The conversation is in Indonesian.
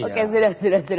oke sudah sudah